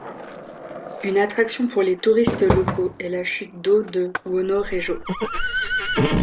Une attraction pour les touristes locaux est la chute d'eau de Wonorejo.